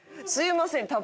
すいません。